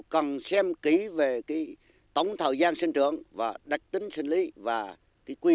cần xem kỹ về tổng thời gian sinh trưởng đặc tính sinh lý